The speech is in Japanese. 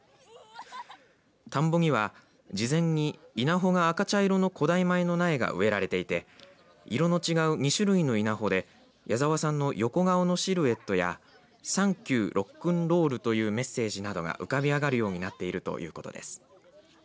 田んぼには事前に稲穂が赤茶色の古代米の苗が植えられていて色の違う２種類の稲穂で矢沢さんの横顔のシルエットやＴＨＡＮＫＹＯＵＲＯＣＫ’Ｎ’ＲＯＬＬというメッセージなどが浮かび上がるようになっているということです。